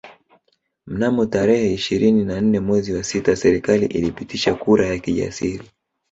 Mnamo tarehe ishirini na nne mwezi wa sita serikali ilipitisha kura ya kijasiri